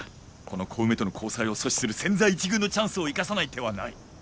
この小梅との交際を阻止する千載一遇のチャンスを生かさない手はない